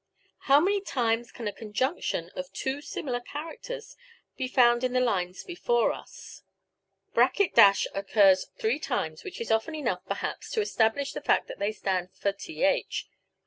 How many times can a conjunction of two similar characters be found in the lines before us..>.[ ] occurs three times, which is often enough, perhaps, to establish the fact that they stand for th.